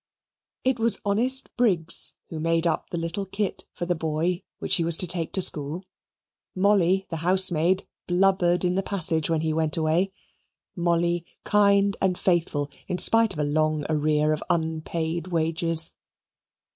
It was honest Briggs who made up the little kit for the boy which he was to take to school. Molly, the housemaid, blubbered in the passage when he went away Molly kind and faithful in spite of a long arrear of unpaid wages.